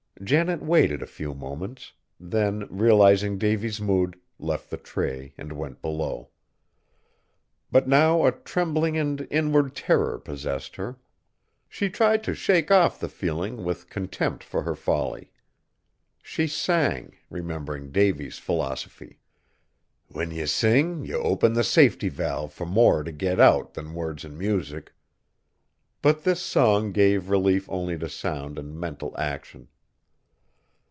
Janet waited a few moments; then, realizing Davy's mood, left the tray and went below. But now a trembling and inward terror possessed her. She tried to shake off the feeling with contempt for her folly. She sang, remembering Davy's philosophy, "When ye sing ye open the safety valve fur more to get out than words an' music." But this song gave relief only to sound and mental action.